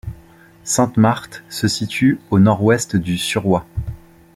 Sainte-Marthe se situe au nord-ouest du Suroît.